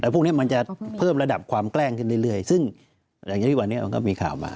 พวกนี้มันจะเพิ่มระดับความแกล้งขึ้นเรื่อยซึ่งหลังจากที่วันนี้มันก็มีข่าวมา